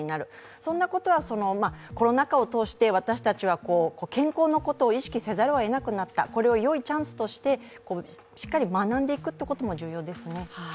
そんなことは、コロナ禍を通して私たちは健康のことを意識せざるを得なくなったこれを良いチャンスとして、しっかり学んでいくことも重要ですね。